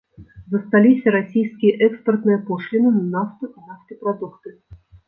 Засталіся расійскія экспартныя пошліны на нафту і нафтапрадукты.